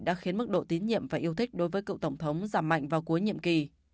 đã khiến mức độ tín nhiệm và yêu thích đối với cựu tổng thống giảm mạnh vào cuối nhiệm kỳ